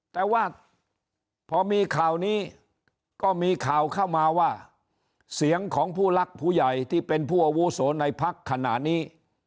แต่ว่าพอมีข่าวนี้ก็มีข่าวเข้ามาว่าเสียงของผู้รักผู้ใหญ่ที่เป็นผู้อาวุโสในพักขณะนี้